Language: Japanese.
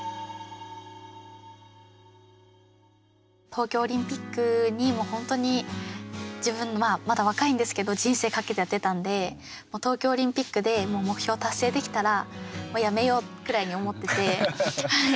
東京オリンピックにほんとに、自分まだ若いんですけど人生かけてやってたんで東京オリンピックで目標達成できたら辞めようくらいに思ってて。